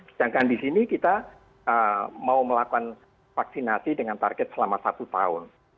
sedangkan di sini kita mau melakukan vaksinasi dengan target selama satu tahun